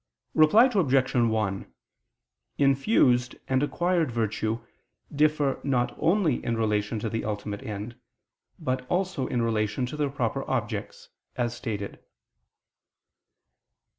Reply Obj. 1: Infused and acquired virtue differ not only in relation to the ultimate end, but also in relation to their proper objects, as stated.